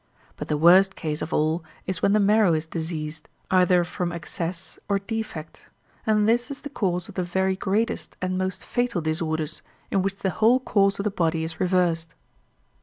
But the worst case of all is when the marrow is diseased, either from excess or defect; and this is the cause of the very greatest and most fatal disorders, in which the whole course of the body is reversed.